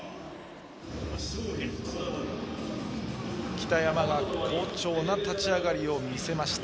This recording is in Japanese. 北山が好調な立ち上がりを見せました。